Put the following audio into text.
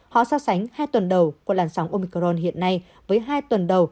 họ so sánh hai tuần đầu của làn sóng omicron hiện nay với hai tuần đầu